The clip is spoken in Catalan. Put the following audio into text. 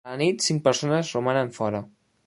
A la nit cinc persones romanen fora.